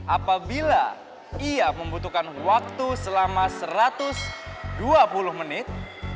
apabila ia membutuhkan waktu selama satu ratus dua puluh menit